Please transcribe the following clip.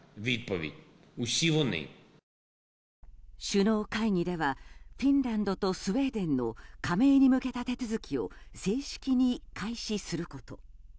首脳会議ではフィンランドとスウェーデンの加盟に向けた手続きを正式に開始すること。